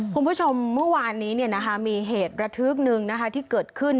คุณผู้ชมเมื่อวานนี้มีเหตุระทึกหนึ่งที่เกิดขึ้น